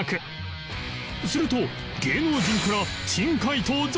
すると